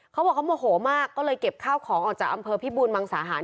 เขาบอกเขาโมโหมากก็เลยเก็บข้าวของออกจากอำเภอพิบูรมังสาหาร